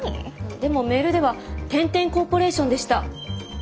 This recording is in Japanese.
でもメールでは「天天コーポレーション」でした。